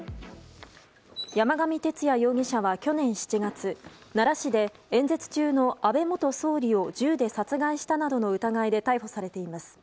山上徹也容疑者は去年７月奈良市で演説中の安倍元総理を銃で殺害したなどの疑いで逮捕されています。